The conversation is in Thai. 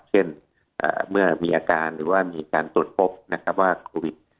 เช่นเมื่อมีอาการหรือว่ามีการตรวจพบว่าโควิด